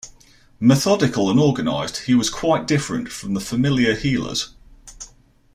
Methodical and organized, he was quite different from the familiar healers.